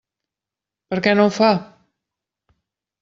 Per què no ho fa?